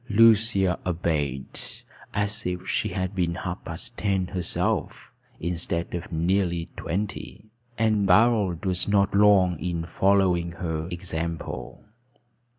Lucia obeyed, as if she had been half past ten herself, instead of nearly twenty; and Barold was not long in following her example.